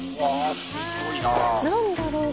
何だろう？